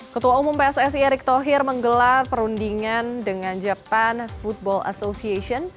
ketua umum pssi erick thohir menggelar perundingan dengan jepang football association